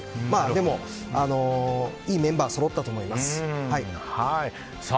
でも、いいメンバーそろったと思います。